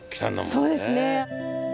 そうですね。